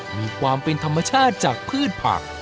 มีความเป็นธรรมชาติจากพืชผัก